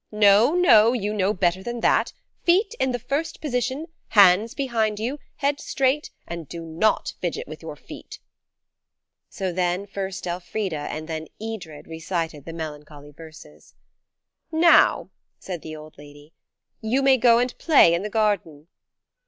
No, no; you know better than that. Feet in the first position, hands behind you, heads straight, and do not fidget with your feet." So then first Elfrida and then Edred recited the melancholy verses. "Now," said the old lady, "you may go and play in the garden."